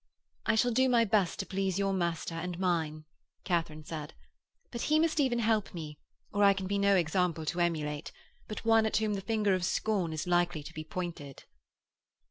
'I shall do my best to please your master and mine,' Katharine said. 'But he must even help me, or I can be no example to emulate, but one at whom the finger of scorn is likely to be pointed.'